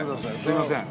すいません。